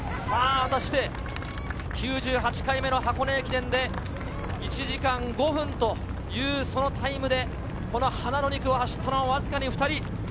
果たして９８回目の箱根駅伝で１時間５分というそのタイムで花の２区を走ったのはわずかに２人。